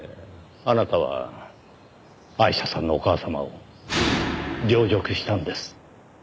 あなたはアイシャさんのお母様を陵辱したんです。